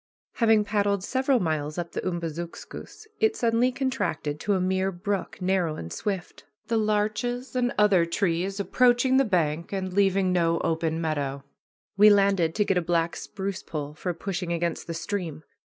Having paddled several miles up the Umbazookskus, it suddenly contracted to a mere brook, narrow and swift, the larches and other trees approaching the bank and leaving no open meadow. We landed to get a black spruce pole for pushing against the stream.